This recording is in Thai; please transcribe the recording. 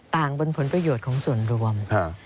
ต่างบนผลประโยชน์ส่วนรวม